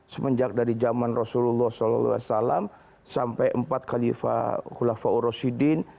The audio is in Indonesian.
semenjak dari zaman rasulullah saw sampai empat khalifah khulafah ur rasidin